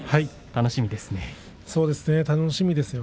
楽しみですね。